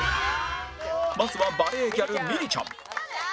まずはバレーギャルみりちゃむ